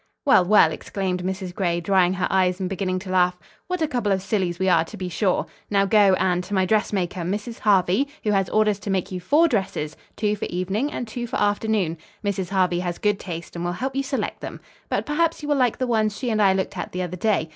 "Well, well!" exclaimed Mrs. Gray, drying her eyes and beginning to laugh. "What a couple of sillies we are, to be sure. Now go, Anne, to my dressmaker, Mrs. Harvey, who has orders to make you four dresses, two for evening and two for afternoon. Mrs. Harvey has good taste and will help you select them. But perhaps you will like the ones she and I looked at the other day.